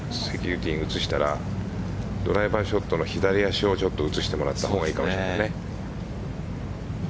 ユウティン映したらドライバーショットの左足を映してもらった方がいいかもしれないね。